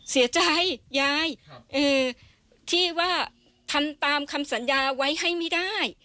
เสียใจยายที่ว่าทำตามคำสัญญาไว้ให้ไม่ได้